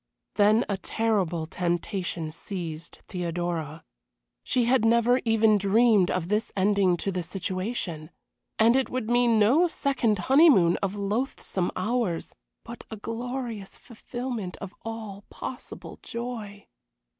Then a terrible temptation seized Theodora. She had never even dreamed of this ending to the situation; and it would mean no second honeymoon of loathsome hours, but a glorious fulfilment of all possible joy.